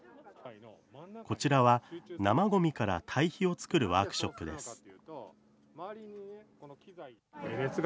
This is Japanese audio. こちらは、生ごみから堆肥を作るワークショップです。